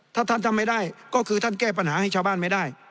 ถ้าท่านทำไม่ได้ก็คือท่านแก้ปัญหาให้ชาวบ้านไม่ได้